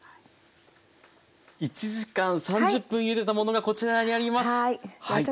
１時間３０分ゆでたものがこちらにあります。